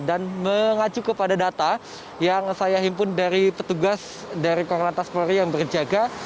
dan mengacu kepada data yang saya himpun dari petugas dari konglantas polri yang berjaga